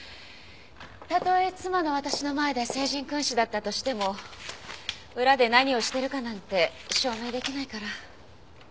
たとえ妻の私の前で聖人君子だったとしても裏で何をしてるかなんて証明できないから。